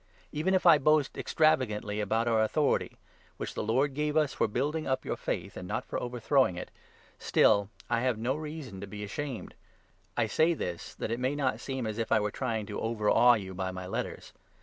Even if I boast extravagantly about our 8 authority — which the Lord gave us for building up your faith and not for overthrowing it — still I have no reason to be ashamed. I say this, that it may not seem as if I were trying 9 to overawe you by my letters.